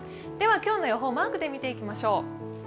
では今日の予報、マークで見ていきましょう。